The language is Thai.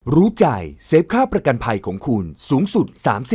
รู้ใจเซฟค่าประกันภัยของคุณสูงสุด๓๐